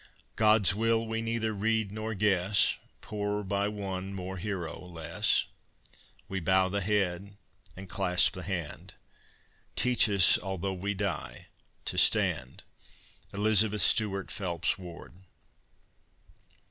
God's will we neither read nor guess. Poorer by one more hero less, We bow the head, and clasp the hand: "Teach us, altho' we die, to stand." ELIZABETH STUART PHELPS WARD.